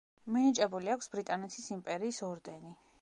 მინიჭებული აქვს ბრიტანეთის იმპერიის ორდენი.